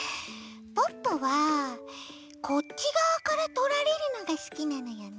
ポッポはこっちがわからとられるのがすきなのよね。